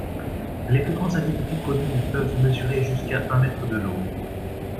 Les plus grands individus connus peuvent mesurer jusqu'à un mètre de long.